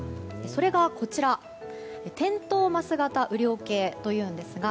それがこちら、転倒ます型雨量計というんですが。